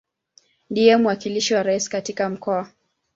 Ndiye mwakilishi wa Rais katika Mkoa.